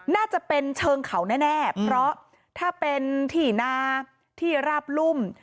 น่าจะเป็นเชิงเขาแน่เพราะถ้าเป็นที่นาที่ราบรุ่ม